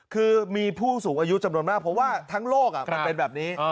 คือมีผู้สูงอายุจำนวนมากเพราะว่าทั้งโลกมันเป็นแบบนี้